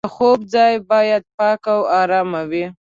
د خوب ځای باید پاک او ارام وي.